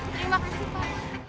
terima kasih pak